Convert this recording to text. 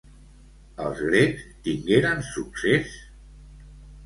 Els grecs tingueren succés?